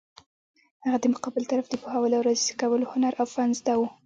هغه د مقابل طرف د پوهولو او راضي کولو هنر او فن زده وو.